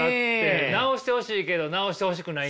直してほしいけど直してほしくないんです。